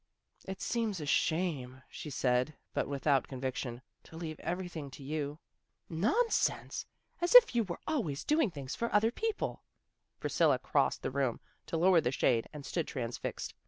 " It seems a shame," she said, but without conviction, " to leave everything to you." " Nonsense! As if you weren't always doing things for other people." Priscilla crossed the room to lower the shade and stood transfixed.